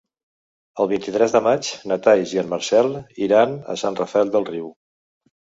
El vint-i-tres de maig na Thaís i en Marcel iran a Sant Rafel del Riu.